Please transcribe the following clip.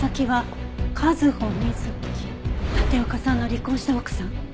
立岡さんの離婚した奥さん。